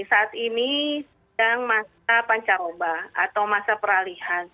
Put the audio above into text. saat ini sekarang masa pancar oba atau masa peralihan